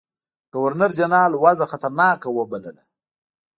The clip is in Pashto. ګورنرجنرال وضع خطرناکه وبلله.